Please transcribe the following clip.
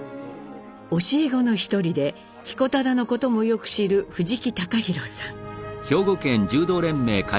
教え子の一人で彦忠のこともよく知る藤木崇博さん。